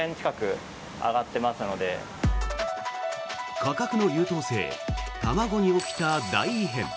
価格の優等生、卵に起きた大異変。